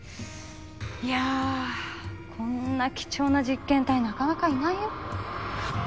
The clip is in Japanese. いやこんな貴重な実験体なかなかいないよ。